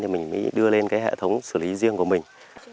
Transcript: thì mình mới đưa lên cái hệ thống xử lý riêng của mình